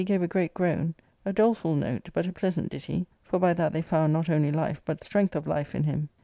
V 6 ARCADIA^Sook L gave a great groan (a doleful note, but a pleasant ditty, for by that they found not only life, but strength of life in him).